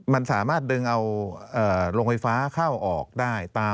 มันสามารถดึงเอาโรงไฟฟ้าเข้าออกได้